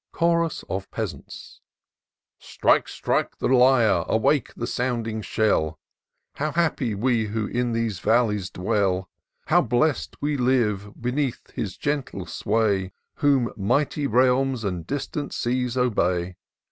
Chorus of Peasants. " Strike, strike the lyre! awake the sounding shel How happy we who in these valleys dwell ! How blest we live beneath his gentle sway. Whom mighty realms and distant seas obey